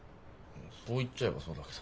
そう言っちゃえばそうだけど。